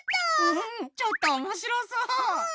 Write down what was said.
うんちょっとおもしろそう。